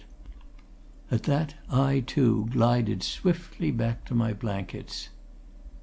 At that I, too, glided swiftly back to my blankets.